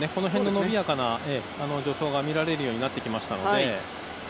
伸びやかな助走が見られるようになってきました。